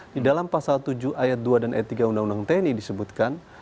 di dalam pasal tujuh ayat dua dan ayat tiga undang undang tni disebutkan